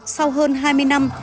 sau hơn hai mươi năm